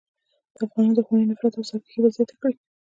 د افغانانو دښمني، نفرت او سرکښي به زیاته کړي.